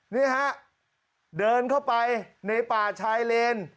นี่ฮะเดินเข้าไปในป่าชายเลน